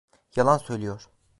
Yalan söylüyor.